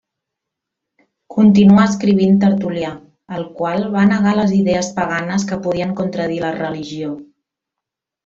Continua escrivint Tertul·lià, el qual va negar les idees paganes que podien contradir la religió.